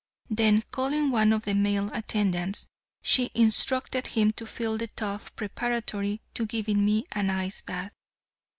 Then calling one of the male attendants, she instructed him to fill the tub preparatory to giving me an ice bath.